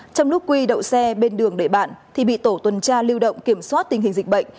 trong lúc quy đậu xe bên đường để bạn thì bị tổ tuần tra lưu động kiểm soát tình hình dịch bệnh